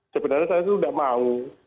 sebenarnya saya itu tidak mau